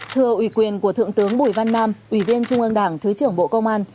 thưa ủy quyền của thượng tướng bùi văn nam ủy viên trung ương đảng thứ trưởng bộ công an